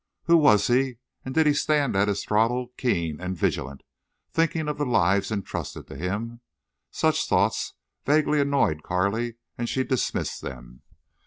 Who was he, and did he stand at his throttle keen and vigilant, thinking of the lives intrusted to him? Such thoughts vaguely annoyed Carley, and she dismissed them.